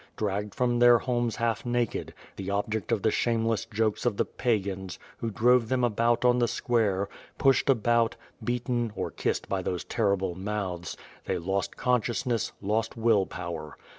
Dragged from their homes half naked, the object of the shameless jokes of the pagans, who drove them about on the square; pushed about; beaten, or kissed by those terrible mouths, they lost consciousness, lost will power.